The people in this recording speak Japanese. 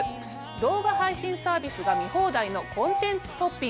動画配信サービスが見放題のコンテンツトッピング。